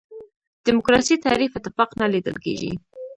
دیموکراسي تعریف اتفاق نه لیدل کېږي.